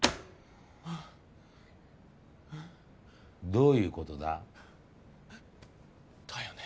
どういうことだ？だよね。